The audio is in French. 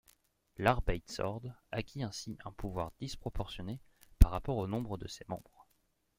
L'Arbeidsorde acquit ainsi un pouvoir disproportionné par rapport au nombre de ses membres.